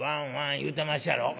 言うてまっしゃろ」。